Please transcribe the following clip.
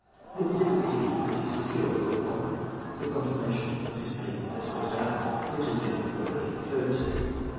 With difficulty could he secure for Lord Cochrane the confirmation of his patent as First Admiral, which has been already referred to.